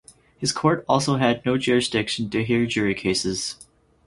His court also had no jurisdiction to hear jury cases.